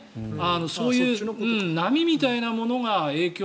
そっちの波みたいなものが影響。